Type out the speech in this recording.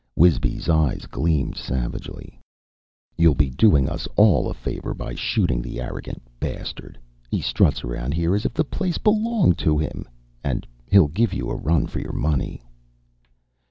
Wisby's eyes gleamed savagely. "You'll be doing us all a favor by shooting the arrogant bastard. He struts around here as if the place belonged to him. And he'll give you a run for your money."